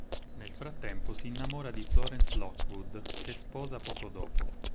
Nel frattempo, si innamora di Florence Lockwood, che sposa poco dopo.